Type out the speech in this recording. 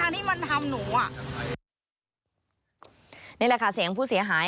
นี่แหละค่ะเสียงผู้เสียหาย